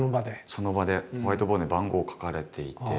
その場でホワイトボードに番号書かれていて。